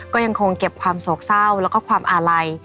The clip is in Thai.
ก็ยังคงเก็บความโศกเศร้าแล้วก็ความอาลัย